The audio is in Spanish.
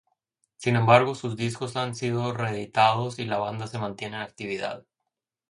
Sin embargo, sus discos han sido reeditados y la banda se mantiene en actividad.